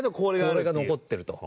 これが残ってると。